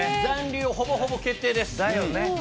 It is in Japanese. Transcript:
残留ほぼほぼ決定です。だよね。